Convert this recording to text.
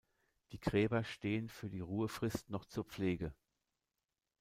Die Gräber stehen für die Ruhefrist noch zur Pflege.